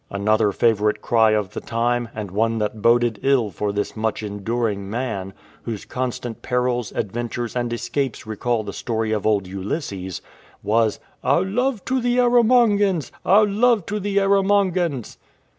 *" Another favourite cry of the time, and one that boded ill for this " much enduring" man, whose constant perils, adventures, and escapes recall the story of old Ulysses — was " Our love to the Erromangans ! Our love to the Erromangans